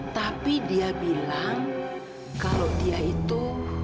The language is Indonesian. tapi dia bilang kalau dia itu